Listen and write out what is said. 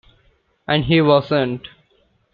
And he wasn't.